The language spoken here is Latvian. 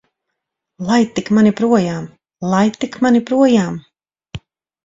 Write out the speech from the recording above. Laid tik mani projām! Laid tik mani projām!